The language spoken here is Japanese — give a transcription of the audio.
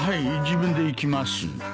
自分で行きます。